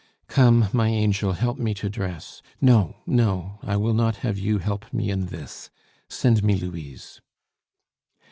"Come, my angel, help me to dress. No, no; I will not have you help me in this! Send me Louise."